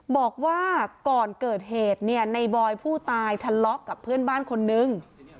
บอกว่าก่อนเกิดเหตุเนี่ยในบอยผู้ตายทะเลาะกับเพื่อนบ้านคนนึง